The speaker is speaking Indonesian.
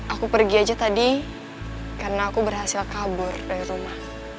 aku pergi aja tadi karena aku berhasil kabur dari rumah